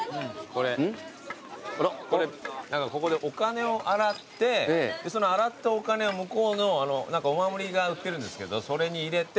これここでお金を洗ってその洗ったお金を向こうのお守りが売ってるんですけどそれに入れて。